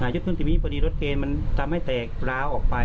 ยึดต้นทีนี้พอดีรถเกณฑ์มันทำให้แตกร้าวออกไป